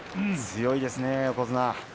強いですね、横綱。